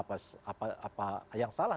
apa yang salah